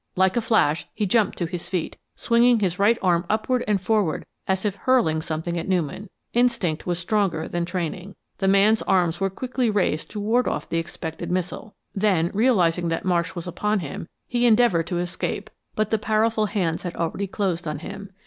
Like a flash, he jumped to his feet, swinging his right arm upward and forward as if hurling something at Newman. Instinct was stronger than training. The man's arms were quickly raised to ward off the expected missile. Then, realizing that Marsh was upon him, he endeavored to escape, but the powerful hands had already closed on him.